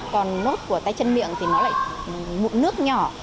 còn nốt của tay chân miệng thì nó lại mụn nước nhỏ